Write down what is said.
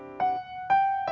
sampai jumpa lagi